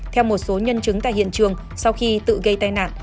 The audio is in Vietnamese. theo một số nhân chứng tại hiện trường sau khi tự gây tai nạn